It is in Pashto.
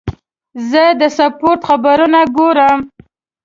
زه د سپورت خبرونه ګورم.